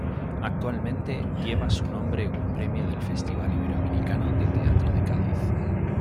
Actualmente lleva su nombre un premio del Festival Iberoamericano de Teatro de Cádiz.